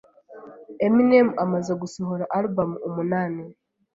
Eminem amaze gusohora album umunani,